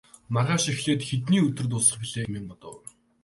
Маргааш эхлээд хэдний өдөр дуусах билээ хэмээн бодов.